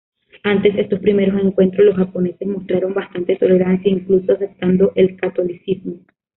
Ante estos primeros encuentros, los japoneses mostraron bastante tolerancia, incluso aceptando el catolicismo.